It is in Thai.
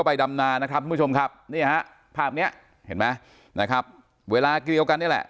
ไปดำนานะครับทุกผู้ชมครับนี่ฮะภาพเนี้ยเห็นไหมนะครับ